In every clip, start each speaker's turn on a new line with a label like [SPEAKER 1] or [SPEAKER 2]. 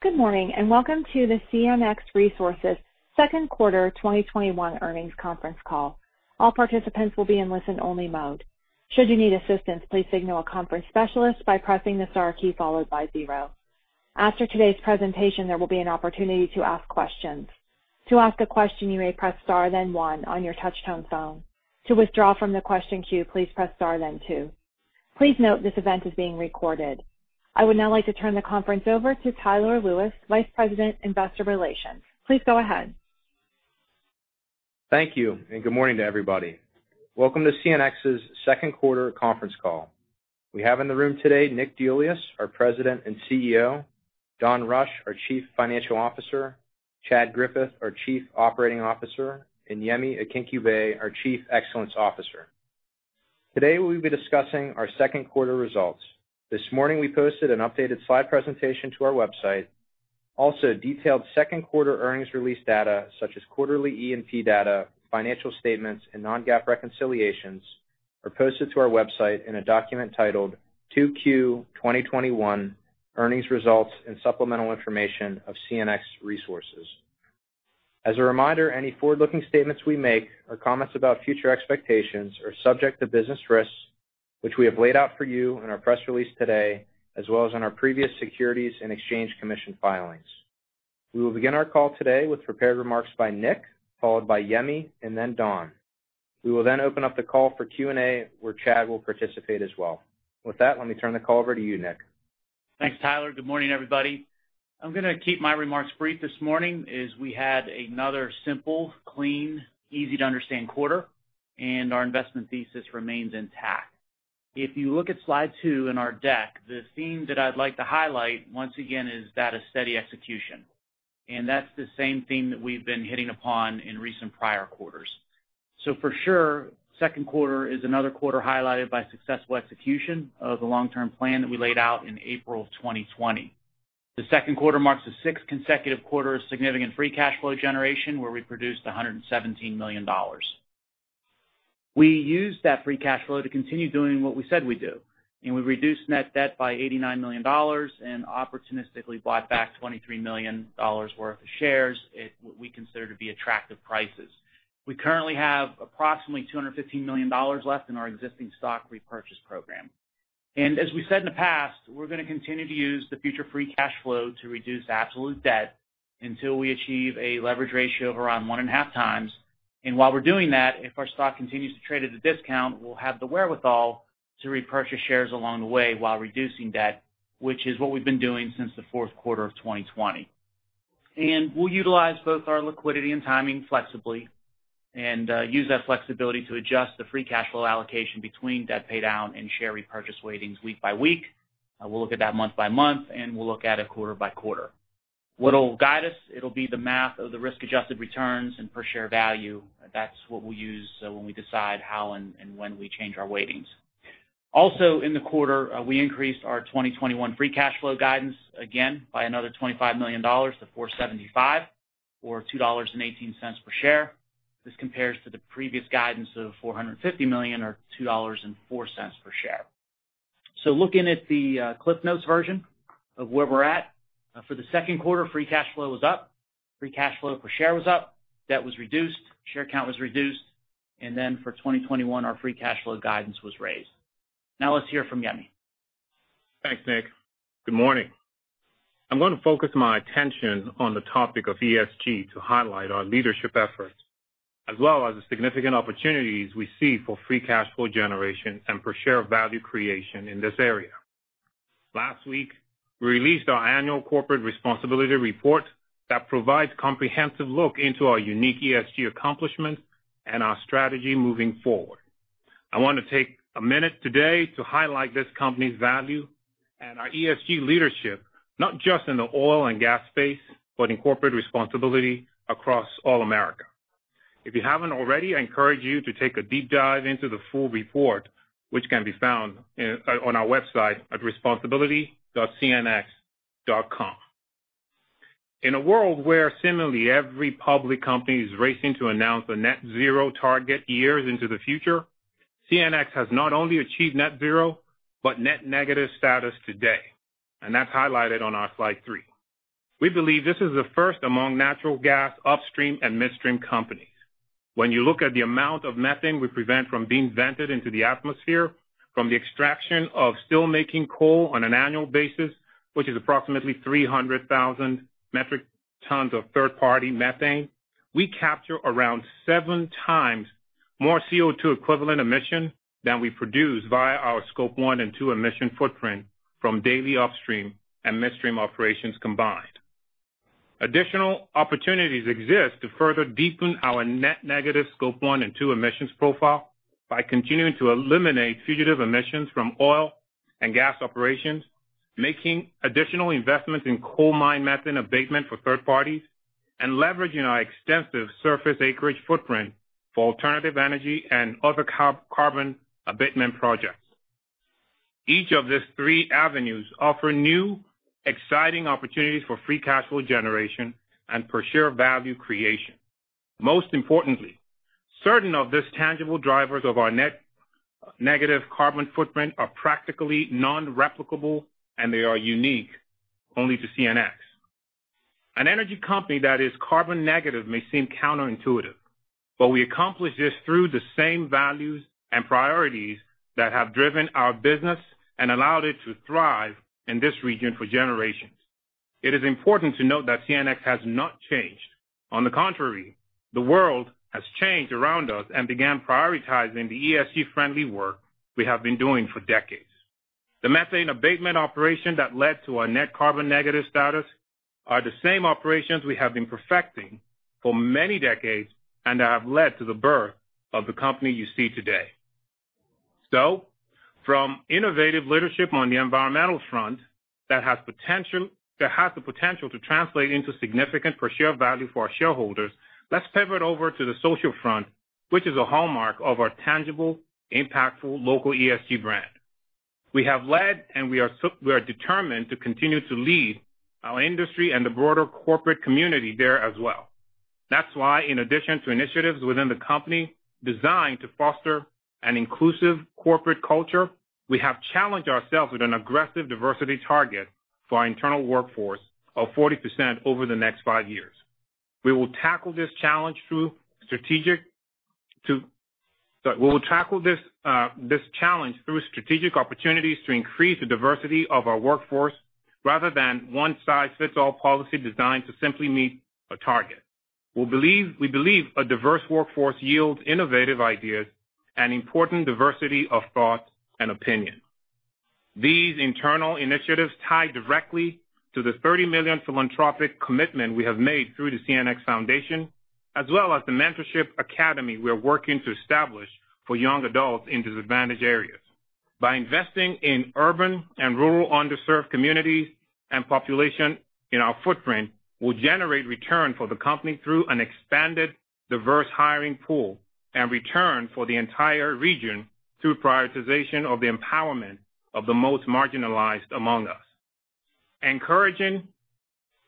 [SPEAKER 1] Good morning, and welcome to the CNX Resources Second Quarter 2021 Earnings Conference Call. All participants will be in listen-only mode. Should you need assistance, please signal a conference specialist by pressing the star key followed by zero. After today's presentation, there will be an opportunity to ask questions. To ask a question, you may press star then one on your touch-tone phone. To withdraw from the question queue, please press star then two. Please note this event is being recorded. I would now like to turn the conference over to Tyler Lewis, Vice President, Investor Relations. Please go ahead.
[SPEAKER 2] Thank you. Good morning to everybody. Welcome to CNX's second quarter conference call. We have in the room today Nicholas J. DeIuliis, our President and Chief Executive Officer, Donald W. Rush, our Chief Financial Officer, Chad A. Griffith, our Chief Operating Officer, and Olayemi Akinkugbe, our Chief Excellence Officer. Today, we'll be discussing our second quarter results. This morning, we posted an updated slide presentation to our website. Also, detailed second quarter earnings release data, such as quarterly E&P data, financial statements, and non-GAAP reconciliations are posted to our website in a document titled "Q2 2021 Earnings Results and Supplemental Information of CNX Resources." As a reminder, any forward-looking statements we make or comments about future expectations are subject to business risks, which we have laid out for you in our press release today, as well as in our previous Securities and Exchange Commission filings. We will begin our call today with prepared remarks by Nick, followed by Yemi, and then Don. We will then open up the call for Q&A, where Chad will participate as well. With that, let me turn the call over to you, Nick.
[SPEAKER 3] Thanks, Tyler. Good morning, everybody. I'm gonna keep my remarks brief this morning, as we had another simple, clean, easy-to-understand quarter, and our investment thesis remains intact. If you look at slide two in our deck, the theme that I'd like to highlight, once again, is that of steady execution, and that's the same theme that we've been hitting upon in recent prior quarters. For sure, second quarter is another quarter highlighted by successful execution of the long-term plan that we laid out in April of 2020. The second quarter marks the sixth consecutive quarter of significant free cash flow generation, where we produced $117 million. We used that free cash flow to continue doing what we said we'd do, and we reduced net debt by $89 million and opportunistically bought back $23 million worth of shares at what we consider to be attractive prices. We currently have approximately $215 million left in our existing stock repurchase program. As we said in the past, we're gonna continue to use the future free cash flow to reduce absolute debt until we achieve a leverage ratio of around 1.5x. While we're doing that, if our stock continues to trade at a discount, we'll have the wherewithal to repurchase shares along the way while reducing debt, which is what we've been doing since the fourth quarter of 2020. We'll utilize both our liquidity and timing flexibly and use that flexibility to adjust the free cash flow allocation between debt paydown and share repurchase weightings week by week. We'll look at that month by month, and we'll look at it quarter by quarter. What'll guide us, it'll be the math of the risk-adjusted returns and per share value. That's what we'll use when we decide how and when we change our weightings. In the quarter, we increased our 2021 free cash flow guidance again by another $25 million to $475 million or $2.18 per share. This compares to the previous guidance of $450 million or $2.04 per share. Looking at the Cliff Notes version of where we're at, for the second quarter, free cash flow was up, free cash flow per share was up, debt was reduced, share count was reduced, and then for 2021, our free cash flow guidance was raised. Let's hear from Yemi.
[SPEAKER 4] Thanks, Nick. Good morning. I'm going to focus my attention on the topic of ESG to highlight our leadership efforts as well as the significant opportunities we see for free cash flow generation and per share value creation in this area. Last week, we released our annual Corporate Responsibility Report that provides comprehensive look into our unique ESG accomplishments and our strategy moving forward. I want to take a minute today to highlight this company's value and our ESG leadership, not just in the oil and gas space, but in corporate responsibility across all America. If you haven't already, I encourage you to take a deep dive into the full report, which can be found on our website at responsibility.cnx.com. In a world where similarly every public company is racing to announce a net zero target years into the future, CNX has not only achieved net zero, but net negative status today, and that's highlighted on our slide three. We believe this is the first among natural gas upstream and midstream companies. When you look at the amount of methane we prevent from being vented into the atmosphere from the extraction of steelmaking coal on an annual basis, which is approximately 300,000 metric tons of third-party methane, we capture around 7x more CO2 equivalent emission than we produce via our Scope 1 and 2 emission footprint from daily upstream and midstream operations combined. Additional opportunities exist to further deepen our net negative Scope 1 and Scope 2 emissions profile by continuing to eliminate fugitive emissions from oil and gas operations, making additional investments in coal mine methane abatement for third parties, and leveraging our extensive surface acreage footprint for alternative energy and other carbon abatement projects. Each of these three avenues offer new, exciting opportunities for free cash flow generation and per share value creation. Most importantly, certain of these tangible drivers of our net negative carbon footprint are practically non-replicable, and they are unique only to CNX. An energy company that is carbon negative may seem counterintuitive, but we accomplish this through the same values and priorities that have driven our business and allowed it to thrive in this region for generations. It is important to note that CNX has not changed. On the contrary, the world has changed around us and began prioritizing the ESG-friendly work we have been doing for decades. The methane abatement operation that led to our net carbon negative status are the same operations we have been perfecting for many decades and that have led to the birth of the company you see today. From innovative leadership on the environmental front that has the potential to translate into significant per share value for our shareholders, let's pivot over to the social front, which is a hallmark of our tangible, impactful local ESG brand. We have led, and we are determined to continue to lead our industry and the broader corporate community there as well. That's why, in addition to initiatives within the company designed to foster an inclusive corporate culture, we have challenged ourselves with an aggressive diversity target for our internal workforce of 40% over the next five years. We will tackle this challenge through strategic opportunities to increase the diversity of our workforce rather than one-size-fits-all policy designed to simply meet a target. We believe a diverse workforce yields innovative ideas and important diversity of thought and opinion. These internal initiatives tie directly to the $30 million philanthropic commitment we have made through the CNX Foundation, as well as the mentorship academy we are working to establish for young adults in disadvantaged areas. By investing in urban and rural underserved communities and population in our footprint, we'll generate return for the company through an expanded, diverse hiring pool and return for the entire region through prioritization of the empowerment of the most marginalized among us. Encouraging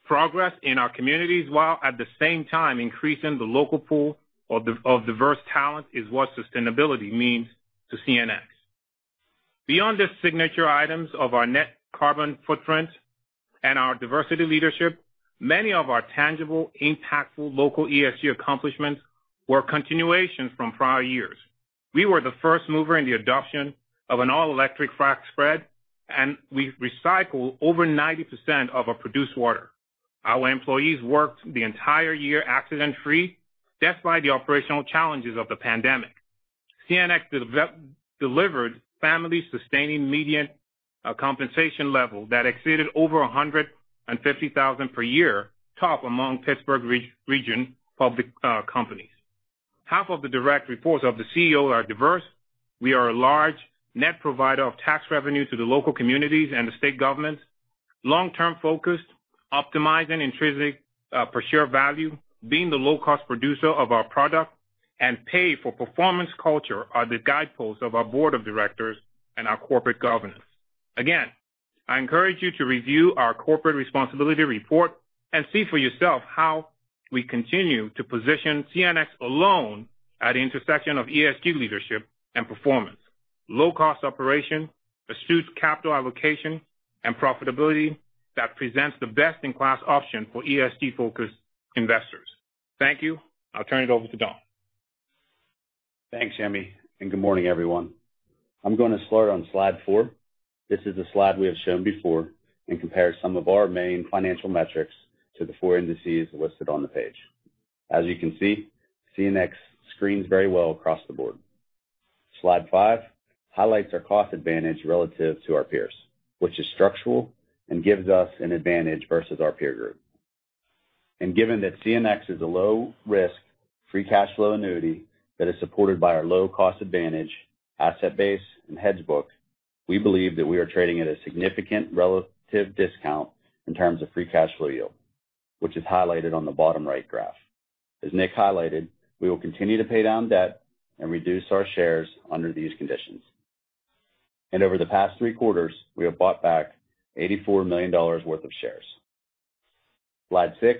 [SPEAKER 4] progress in our communities, while at the same time increasing the local pool of diverse talent, is what sustainability means to CNX. Beyond the signature items of our net carbon footprint and our diversity leadership, many of our tangible, impactful local ESG accomplishments were continuations from prior years. We were the first mover in the adoption of an all-electric frac spread, and we recycle over 90% of our produced water. Our employees worked the entire year accident-free despite the operational challenges of the pandemic. CNX delivered family-sustaining median compensation level that exceeded over $150,000 per year, top among Pittsburgh region public companies. Half of the direct reports of the CEO are diverse. We are a large net provider of tax revenue to the local communities and the state governments. Long-term focused, optimizing intrinsic per share value, being the low-cost producer of our product, and pay-for-performance culture are the guideposts of our board of directors and our corporate governance. Again, I encourage you to review our Corporate Responsibility Report and see for yourself how we continue to position CNX alone at the intersection of ESG leadership and performance, low-cost operation, astute capital allocation, and profitability that presents the best-in-class option for ESG-focused investors. Thank you. I'll turn it over to Donald W. Rush.
[SPEAKER 5] Thanks, Yemi, and good morning, everyone. I'm going to start on slide four. This is a slide we have shown before and compares some of our main financial metrics to the four indices listed on the page. As you can see, CNX screens very well across the board. Slide five highlights our cost advantage relative to our peers, which is structural and gives us an advantage versus our peer group. Given that CNX is a low-risk, free cash flow annuity that is supported by our low-cost advantage, asset base, and hedge book, we believe that we are trading at a significant relative discount in terms of free cash flow yield, which is highlighted on the bottom right graph. As Nick highlighted, we will continue to pay down debt and reduce our shares under these conditions. Over the past three quarters, we have bought back $84 million worth of shares. Slide six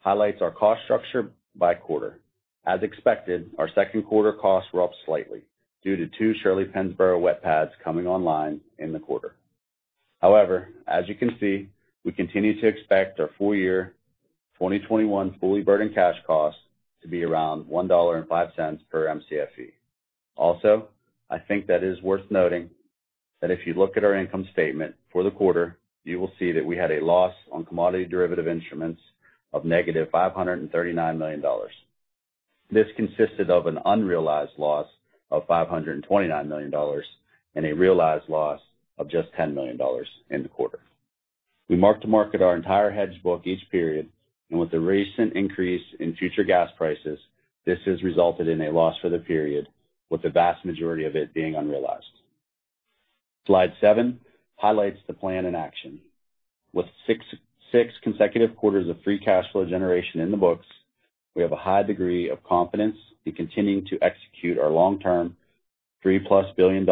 [SPEAKER 5] highlights our cost structure by quarter. As expected, our second quarter costs were up slightly due to two Shirley-Pennsboro wet pads coming online in the quarter. However, as you can see, we continue to expect our full-year 2021 fully burdened cash costs to be around $1.05 per Mcfe. Also, I think that is worth noting that if you look at our income statement for the quarter, you will see that we had a loss on commodity derivative instruments of negative $539 million. This consisted of an unrealized loss of $529 million and a realized loss of just $10 million in the quarter. We mark to market our entire hedge book each period, with the recent increase in future gas prices, this has resulted in a loss for the period, with the vast majority of it being unrealized. Slide seven highlights the plan in action. With six consecutive quarters of free cash flow generation in the books, we have a high degree of confidence in continuing to execute our long-term $3+ billion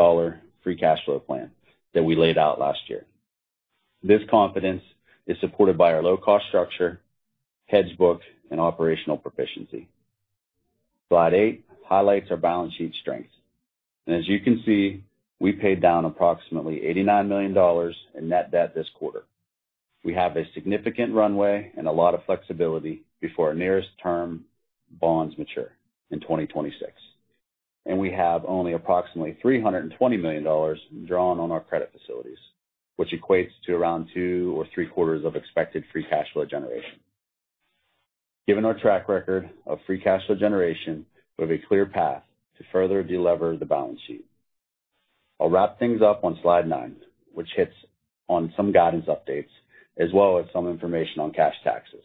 [SPEAKER 5] free cash flow plan that we laid out last year. This confidence is supported by our low-cost structure, hedge book, and operational proficiency. Slide eight highlights our balance sheet strength. As you can see, we paid down approximately $89 million in net debt this quarter. We have a significant runway and a lot of flexibility before our nearest term bonds mature in 2026. We have only approximately $320 million drawn on our credit facilities, which equates to around two or three quarters of expected free cash flow generation. Given our track record of free cash flow generation, we have a clear path to further de-lever the balance sheet. I'll wrap things up on slide nine, which hits on some guidance updates as well as some information on cash taxes.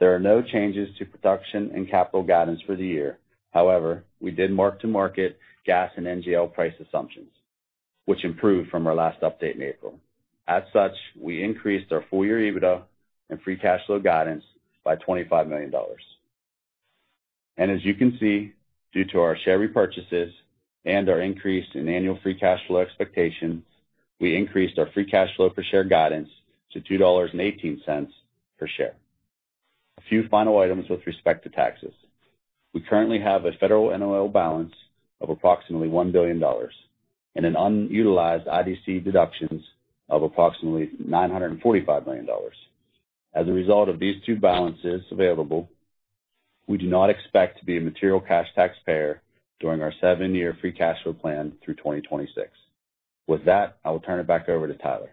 [SPEAKER 5] There are no changes to production and capital guidance for the year. However, we did mark to market gas and NGL price assumptions, which improved from our last update in April. As such, we increased our full-year EBITDA and free cash flow guidance by $25 million. As you can see, due to our share repurchases and our increase in annual free cash flow expectations, we increased our free cash flow per share guidance to $2.18 per share. A few final items with respect to taxes. We currently have a federal NOL balance of approximately $1 billion and an unutilized IDC deductions of approximately $945 million. As a result of these two balances available, we do not expect to be a material cash taxpayer during our seven-year free cash flow plan through 2026. With that, I will turn it back over to Tyler.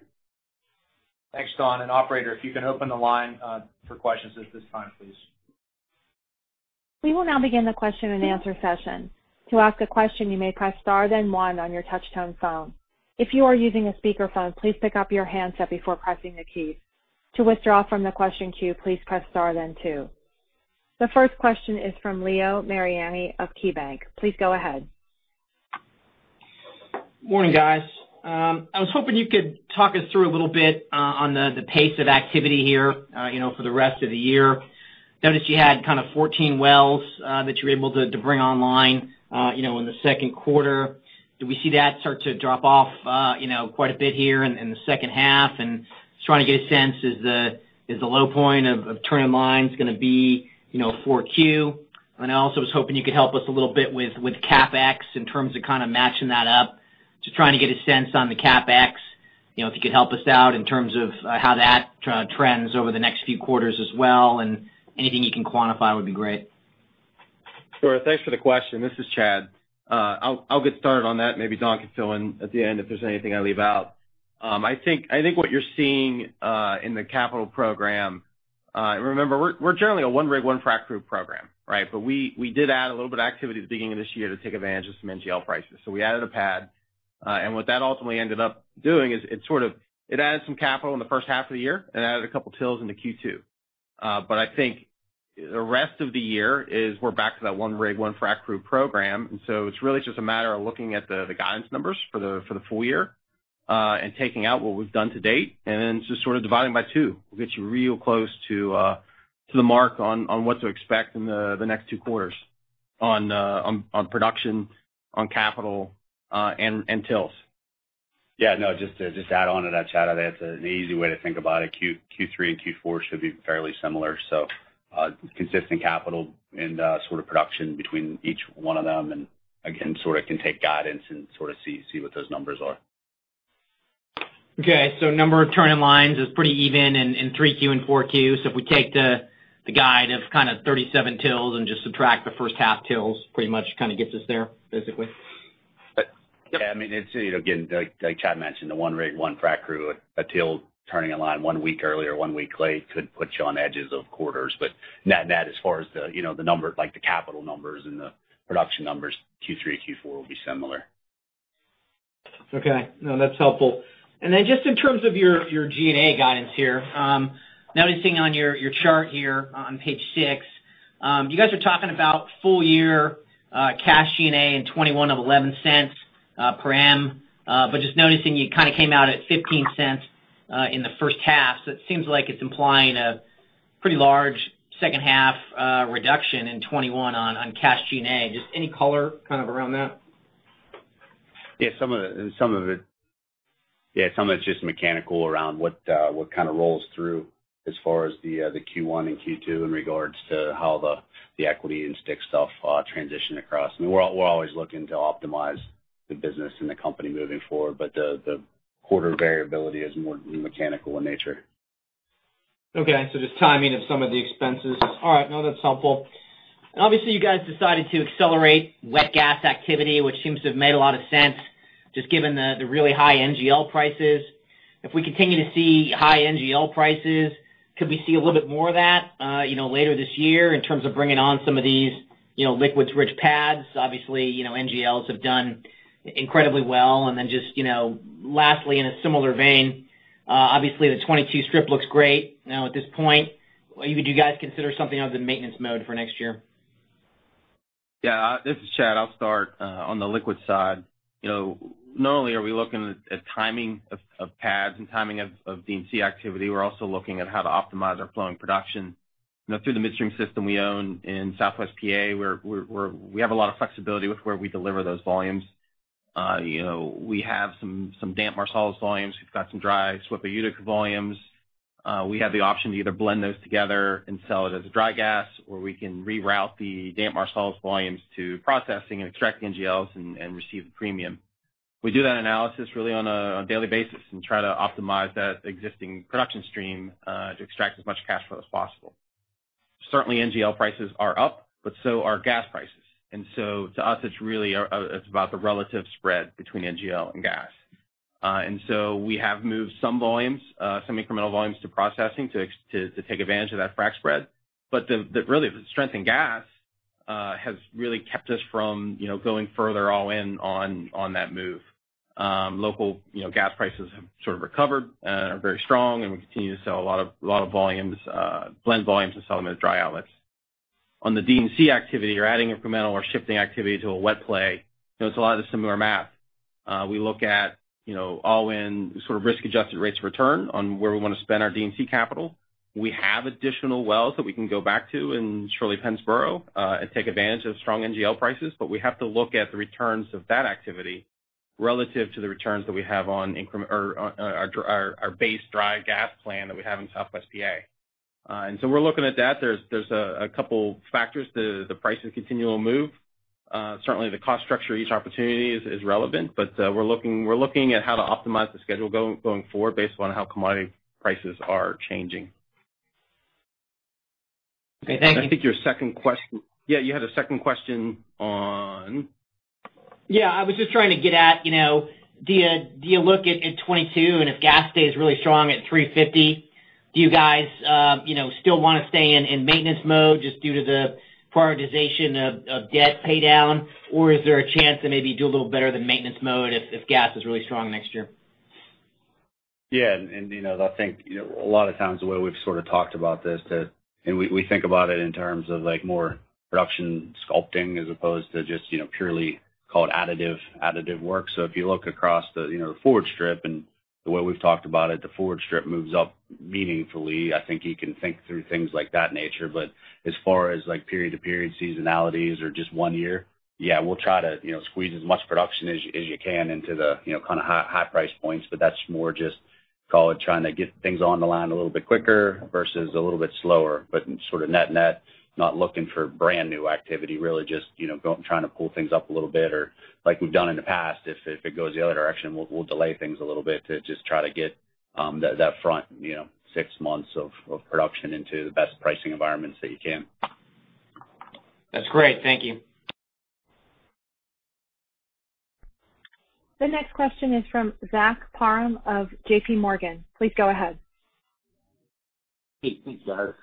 [SPEAKER 2] Thanks, Don. Operator, if you can open the line for questions at this time, please.
[SPEAKER 1] We will now begin the question-and-answer session. The first question is from Leo Mariani of KeyBanc. Please go ahead.
[SPEAKER 6] Morning, guys. I was hoping you could talk us through a little bit on the pace of activity here for the rest of the year. Noticed you had kind of 14 wells that you were able to bring online in the second quarter. Do we see that start to drop off quite a bit here in the second half? Just trying to get a sense, is the low point of turn-in-lines gonna be 4Q? I also was hoping you could help us a little bit with CapEx in terms of kind of matching that up. Just trying to get a sense on the CapEx, if you could help us out in terms of how that trends over the next few quarters as well, and anything you can quantify would be great.
[SPEAKER 7] Sure. Thanks for the question. This is Chad. I'll get started on that, and maybe Donald Rush can fill in at the end if there's anything I leave out. I think what you're seeing in the capital program, remember, we're generally a one rig, one frac crew program, right? We did add a little bit of activity at the beginning of this year to take advantage of some NGL prices. We added a pad, and what that ultimately ended up doing is it sort of, it added some capital in the first half of the year and added two TILs into Q2. I think the rest of the year is we're back to that one rig, one frac crew program. It's really just a matter of looking at the guidance numbers for the full-year, and taking out what we've done to date, and then just sort of dividing by two will get you real close to the mark on what to expect in the next two quarters on production, on capital and TILs.
[SPEAKER 5] Just to add on to that, Chad, that's an easy way to think about it. Q3 and Q4 should be fairly similar. Consistent capital and sort of production between each one of them, and again, sort of can take guidance and sort of see what those numbers are.
[SPEAKER 6] Okay. Number of turn-in-lines is pretty even in 3Q and 4Q. If we take the guide of kind of 37 TILs and just subtract the first half TILs, pretty much kind of gets us there, basically?
[SPEAKER 5] Yeah. I mean, it's, again, like Chad mentioned, the one rig, one frac crew. A TIL turning in-line one week early or one week late could put you on edges of quarters. Net as far as the, you know, the number, like, the capital numbers and the production numbers, Q3 and Q4 will be similar.
[SPEAKER 6] No, that's helpful. Just in terms of your G&A guidance here. Noticing on your chart here on page six, you guys are talking about full-year cash G&A in 2021 of $0.11 per M, just noticing you came out at $0.15 in the first half. It seems like it is implying a pretty large second half reduction in 2021 on cash G&A. Any color around that?
[SPEAKER 5] Yeah, some of it's just mechanical around what kind of rolls through as far as the Q1 and Q2 in regards to how the equity and stock stuff transition across. We're always looking to optimize the business and the company moving forward, but the quarter variability is more mechanical in nature.
[SPEAKER 6] Just timing of some of the expenses. All right. No, that's helpful. Obviously you guys decided to accelerate wet gas activity, which seems to have made a lot of sense just given the really high NGL prices. If we continue to see high NGL prices, could we see a little bit more of that later this year in terms of bringing on some of these liquids rich pads? Obviously, NGLs have done incredibly well. Then just, lastly, in a similar vein, obviously the 2022 strip looks great, you know, at this point. Would you guys consider something other than maintenance mode for next year?
[SPEAKER 7] Yeah. This is Chad. I'll start on the liquid side. You know, not only are we looking at timing of pads and timing of D&C activity, we're also looking at how to optimize our flowing production. Now through the midstream system we own in Southwest PA, we have a lot of flexibility with where we deliver those volumes. We have some damp Marcellus volumes. We've got some dry SWPA Utica volumes. We have the option to either blend those together and sell it as a dry gas, or we can reroute the damp Marcellus volumes to processing and extract NGLs and receive a premium. We do that analysis really on a daily basis and try to optimize that existing production stream, to extract as much cash flow as possible. Certainly NGL prices are up, but so are gas prices. To us, it's about the relative spread between NGL and gas. We have moved some volumes, some incremental volumes to processing to take advantage of that frac spread. Really, the strength in gas has really kept us from going further all in on that move. Local gas prices have sort of recovered and are very strong, and we continue to sell a lot of volumes, blend volumes, and sell them as dry outlets. On the D&C activity or adding incremental or shifting activity to a wet play, it's a lot of the similar math. We look at all-in risk-adjusted rates of return on where we want to spend our D&C capital. We have additional wells that we can go back to in Shirley-Pennsboro, and take advantage of strong NGL prices. We have to look at the returns of that activity relative to the returns that we have on our base dry gas plan that we have in Southwest PA. We're looking at that. There's two factors. The prices continually move. The cost structure of each opportunity is relevant, but we're looking at how to optimize the schedule going forward based on how commodity prices are changing.
[SPEAKER 6] Okay, thank you.
[SPEAKER 7] Yeah, you had a second question on
[SPEAKER 6] Yeah, I was just trying to get at, do you look at 2022, and if gas stays really strong at $3.50, do you guys still want to stay in maintenance mode just due to the prioritization of debt pay down? Or is there a chance to maybe do a little better than maintenance mode if gas is really strong next year?
[SPEAKER 7] I think a lot of times the way we've sort of talked about this, and we think about it in terms of more production sculpting as opposed to just purely call it additive work. If you look across the forward strip and the way we've talked about it, the forward strip moves up meaningfully. I think you can think through things like that nature, but as far as period to period seasonalities or just one year, we'll try to squeeze as much production as you can into the kind of high price points. That's more just call it trying to get things on the line a little bit quicker versus a little bit slower, but sort of net, not looking for brand new activity, really just trying to pull things up a little bit or like we've done in the past. If it goes the other direction, we'll delay things a little bit to just try to get that front six months of production into the best pricing environments that you can.
[SPEAKER 6] That's great. Thank you.
[SPEAKER 1] The next question is from Zach Parham of JPMorgan. Please go ahead.
[SPEAKER 8] Hey. Thanks, guys.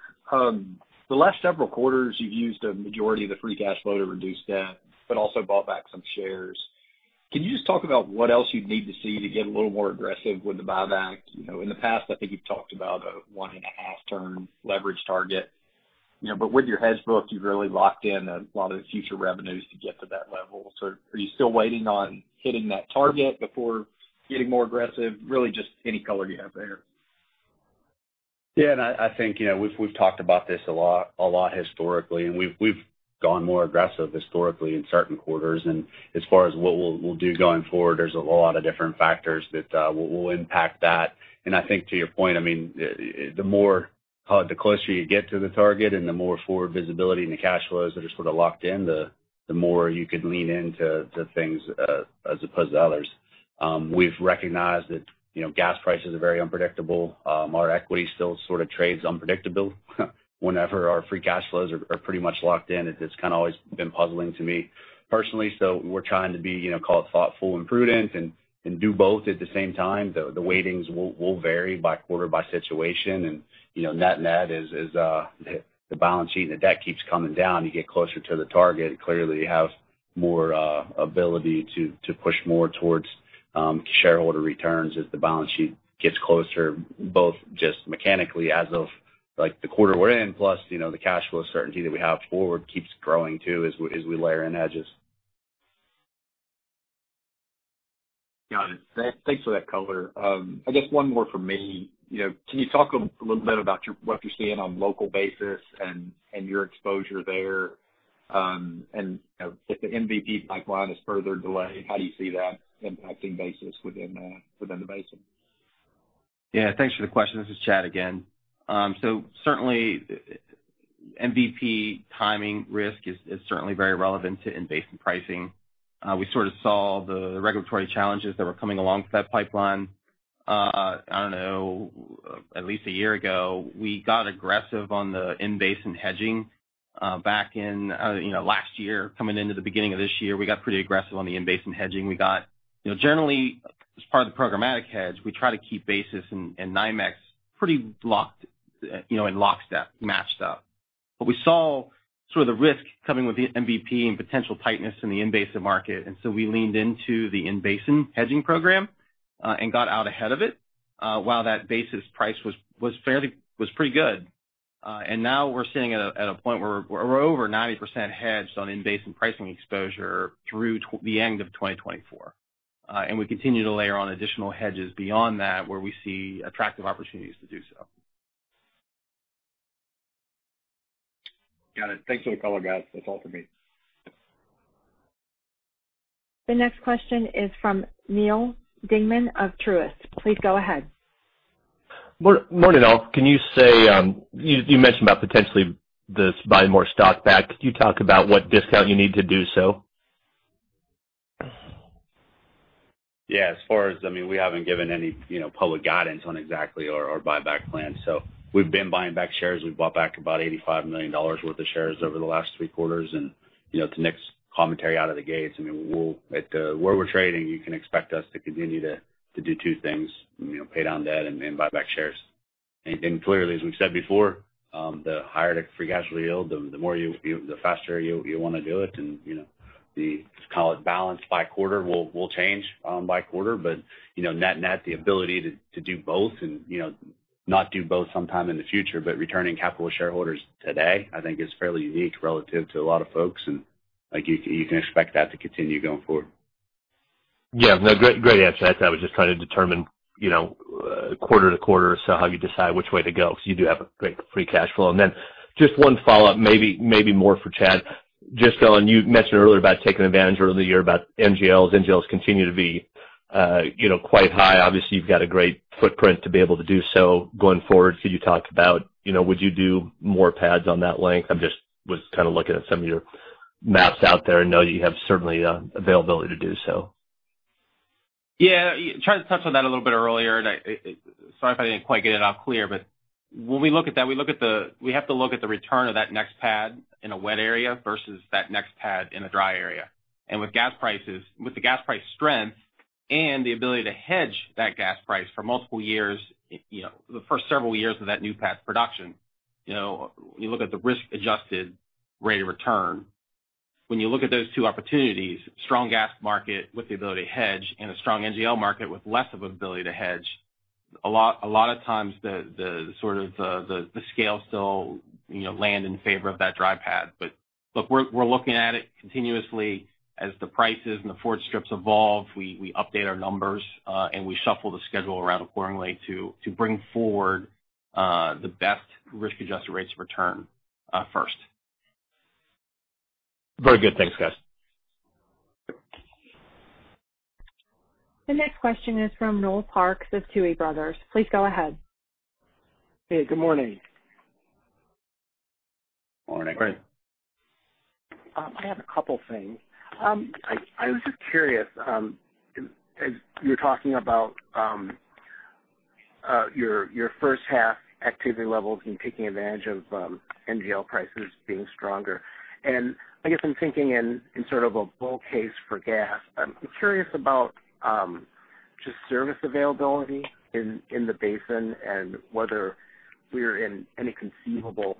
[SPEAKER 8] The last several quarters, you've used a majority of the free cash flow to reduce debt, but also bought back some shares. Can you just talk about what else you'd need to see to get a little more aggressive with the buyback? In the past, I think you've talked about a 1.5 turn leverage target. With your hedge book, you've really locked in a lot of the future revenues to get to that level. Are you still waiting on hitting that target before getting more aggressive? Just any color you have there.
[SPEAKER 5] I think we've talked about this a lot historically, and we've gone more aggressive historically in certain quarters. As far as what we'll do going forward, there's a lot of different factors that will impact that. I think to your point, the closer you get to the target and the more forward visibility into cash flows that are sort of locked in, the more you could lean into things, as opposed to others. We've recognized that gas prices are very unpredictable. Our equity still sort of trades unpredictable whenever our free cash flows are pretty much locked in. It's kind of always been puzzling to me personally. We're trying to be thoughtful and prudent and do both at the same time. The weightings will vary by quarter, by situation. Net is the balance sheet, and the debt keeps coming down. You get closer to the target. Clearly, you have more ability to push more towards shareholder returns as the balance sheet gets closer, both just mechanically as of the quarter we're in, plus the cash flow certainty that we have forward keeps growing too as we layer in hedges.
[SPEAKER 8] Got it. Thanks for that color. I guess one more from me. Can you talk a little bit about what you're seeing on local basis and your exposure there? If the MVP pipeline is further delayed, how do you see that impacting basis within the basin?
[SPEAKER 7] Yeah, thanks for the question. This is Chad again. Certainly MVP timing risk is certainly very relevant to in-basin pricing. We sort of saw the regulatory challenges that were coming along with that pipeline. I don't know, at least one year ago, we got aggressive on the in-basin hedging. Last year, coming into the beginning of this year, we got pretty aggressive on the in-basin hedging. Generally, as part of the programmatic hedge, we try to keep basis and NYMEX pretty in lockstep, matched up. We saw sort of the risk coming with the MVP and potential tightness in the in-basin market. We leaned into the in-basin hedging program, and got out ahead of it, while that basis price was pretty good. Now we're sitting at a point where we're over 90% hedged on in-basin pricing exposure through the end of 2024. We continue to layer on additional hedges beyond that, where we see attractive opportunities to do so.
[SPEAKER 8] Got it. Thanks for the color, guys. That is all for me.
[SPEAKER 1] The next question is from Neal Dingmann of Truist. Please go ahead.
[SPEAKER 9] Morning, all. You mentioned about potentially this buying more stock back. Could you talk about what discount you need to do so?
[SPEAKER 5] Yeah. We haven't given any public guidance on exactly our buyback plan. We've been buying back shares. We've bought back about $85 million worth of shares over the last three quarters. To Nick's commentary out of the gates, at where we're trading, you can expect us to continue to do two things, pay down debt and buy back shares. Clearly, as we've said before, the higher the free cash flow yield, the faster you want to do it. The, let's call it balance by quarter, will change by quarter. Net-net, the ability to do both and not do both sometime in the future, but returning capital to shareholders today, I think is fairly unique relative to a lot of folks, and you can expect that to continue going forward.
[SPEAKER 9] Yeah, no, great answer. I was just trying to determine quarter to quarter, how you decide which way to go, because you do have a great free cash flow. Just one follow-up, maybe more for Chad. You mentioned earlier about taking advantage earlier in the year about NGLs. NGLs continue to be quite high. Obviously, you've got a great footprint to be able to do so. Going forward, would you do more pads on that length? I just was looking at some of your maps out there and know you have certainly availability to do so.
[SPEAKER 7] Yeah. Chad touched on that a little bit earlier, and sorry if I didn't quite get it out clear, but when we look at that, we have to look at the return of that next pad in a wet area versus that next pad in a dry area. With the gas price strength and the ability to hedge that gas price for multiple years, the first several years of that new pad's production, when you look at the risk-adjusted rate of return When you look at those two opportunities, strong gas market with the ability to hedge and a strong NGL market with less of an ability to hedge, a lot of times the scale still land in favor of that dry pad. Look, we're looking at it continuously. As the prices and the forward strips evolve, we update our numbers, and we shuffle the schedule around accordingly to bring forward the best risk-adjusted rates of return first.
[SPEAKER 9] Very good. Thanks, guys.
[SPEAKER 1] The next question is from Noel Parks of Tuohy Brothers. Please go ahead.
[SPEAKER 10] Hey, good morning.
[SPEAKER 5] Morning.
[SPEAKER 7] Great.
[SPEAKER 10] I have a couple things. I was just curious, as you're talking about your first half activity levels and taking advantage of NGL prices being stronger, and I guess I'm thinking in sort of a bull case for gas. I'm curious about just service availability in the basin and whether we're in any conceivable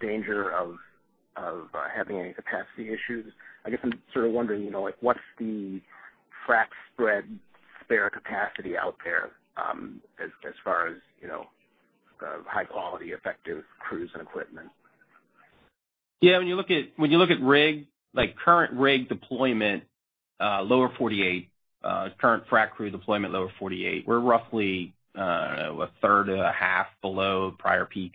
[SPEAKER 10] danger of having any capacity issues. I guess I'm sort of wondering, what's the frac spread spare capacity out there as far as high-quality, effective crews and equipment?
[SPEAKER 7] Yeah, when you look at current rig deployment, Lower 48, current frac crew deployment Lower 48, we're roughly a third to a half below prior peak.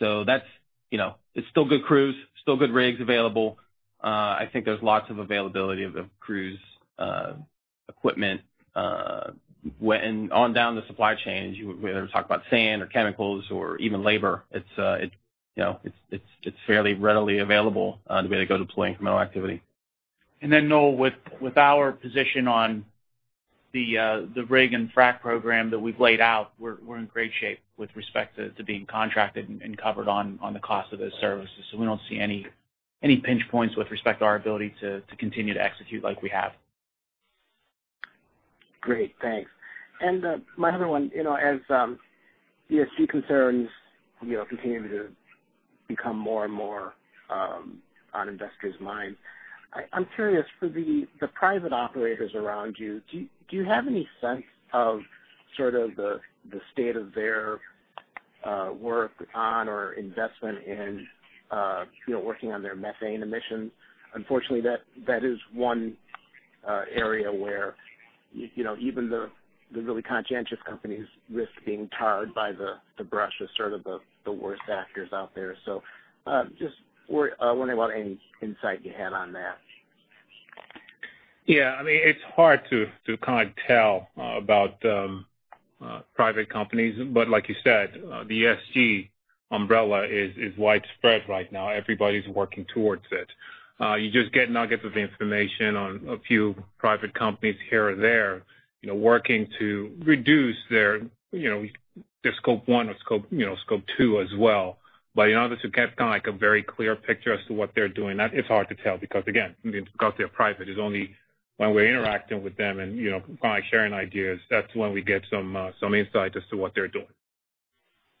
[SPEAKER 7] It's still good crews, still good rigs available. I think there's lots of availability of crews, equipment, and on down the supply chain, whether we talk about sand or chemicals or even labor, it's fairly readily available the way they go deploying incremental activity.
[SPEAKER 5] Noel, with our position on the rig and frac program that we've laid out, we're in great shape with respect to being contracted and covered on the cost of those services. We don't see any pinch points with respect to our ability to continue to execute like we have.
[SPEAKER 10] Great, thanks. My other one, as ESG concerns continue to become more and more on investors' minds, I'm curious for the private operators around you, do you have any sense of sort of the state of their work on or investment in working on their methane emissions? Unfortunately, that is one area where even the really conscientious companies risk being tarred by the brush of sort of the worst actors out there. Just wondering about any insight you had on that.
[SPEAKER 4] It's hard to tell about private companies, like you said, the ESG umbrella is widespread right now. Everybody's working towards it. You just get nuggets of information on a few private companies here and there, working to reduce their Scope 1 or Scope 2 as well. In order to get a very clear picture as to what they're doing, it's hard to tell, because again, because they're private. It's only when we're interacting with them and sharing ideas, that's when we get some insight as to what they're doing.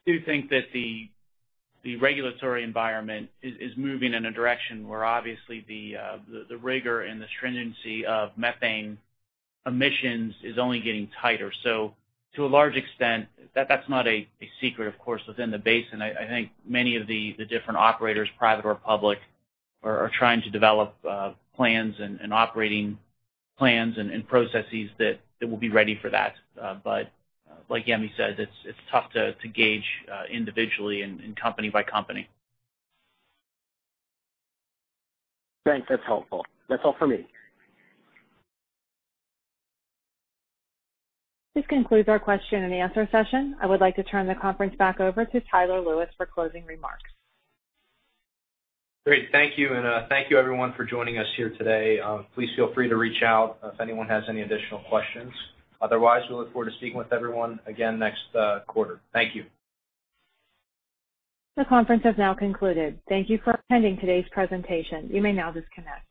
[SPEAKER 5] I do think that the regulatory environment is moving in a direction where obviously the rigor and the stringency of methane emissions is only getting tighter. To a large extent, that's not a secret, of course, within the basin. I think many of the different operators, private or public, are trying to develop plans and operating plans and processes that will be ready for that. Like Yemi says, it's tough to gauge individually and company by company.
[SPEAKER 10] Thanks. That's helpful. That's all for me.
[SPEAKER 1] This concludes our question-and-answer session. I would like to turn the conference back over to Tyler Lewis for closing remarks.
[SPEAKER 2] Great. Thank you, and thank you everyone for joining us here today. Please feel free to reach out if anyone has any additional questions. Otherwise, we look forward to speaking with everyone again next quarter. Thank you.
[SPEAKER 1] The conference has now concluded. Thank you for attending today's presentation. You may now disconnect.